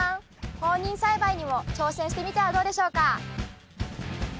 放任栽培にも挑戦してみてはどうでしょうか。